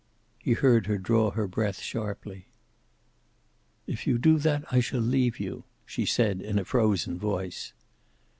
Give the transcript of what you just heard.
He heard her draw her breath sharply. "If you do that I shall leave you," she said, in a frozen voice.